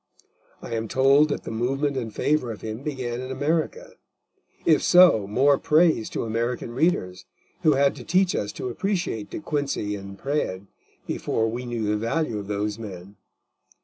I am told that the movement in favour of him began in America; if so, more praise to American readers, who had to teach us to appreciate De Quincey and Praed before we knew the value of those men.